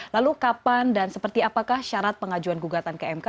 lalu kapan dan seperti apakah syarat pengajuan gugatan ke mk